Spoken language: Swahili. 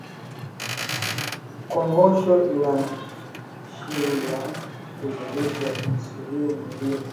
kongosho inashindwa kuzalisha insulini mwilini